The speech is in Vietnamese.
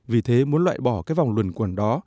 vì thế muốn loại bỏ cái vòng luần quần đó